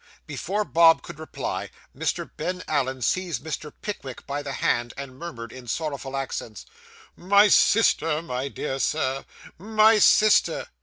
Before Bob could reply, Mr. Ben Allen seized Mr. Pickwick by the hand, and murmured, in sorrowful accents, 'My sister, my dear Sir; my sister.